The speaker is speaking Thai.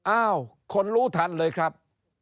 อ้าวคนรู้ทันเลยครับ